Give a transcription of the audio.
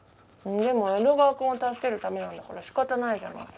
でも江戸川くんを助けるためなんだから仕方ないじゃない。